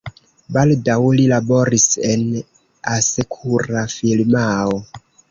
Baldaŭ li laboris en asekura firmao.